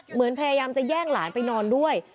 เหมือนพยายามจะแย่งหลานไปนอนด้วย